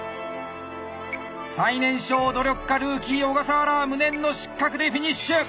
最年少努力家ルーキー小笠原は無念の失格でフィニッシュ。